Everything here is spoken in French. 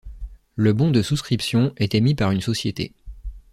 Le bon de souscription est émis par une société.